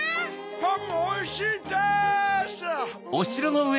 パンもおいしいです！